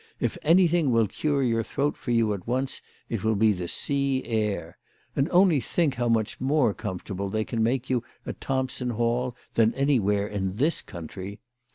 If anything will cure your throat for you at once it will be the sea air. And only think how much more comfortable they can make you at Thompson Hall than anywhere in this country.